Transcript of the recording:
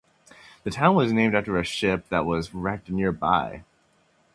The town was named after a ship that was wrecked nearby.